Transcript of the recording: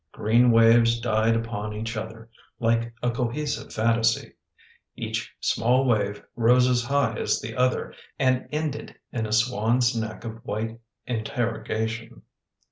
Green waves died upon each other, like L a cohesive fantasy. Each small wave rose as high as the other and ended in a swan's neck of white inter rogation.